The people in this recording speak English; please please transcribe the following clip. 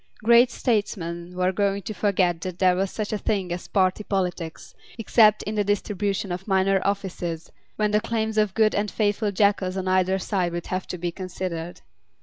Great statesmen were going to forget that there was such a thing as party politics, except in the distribution of minor offices, when the claims of good and faithful jackals on either side would have to be considered.